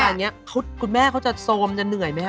ว่าเมื่อไหร่นี้คุณแม่เขาก็จะโทรมจะเหนื่อยไหมฮะ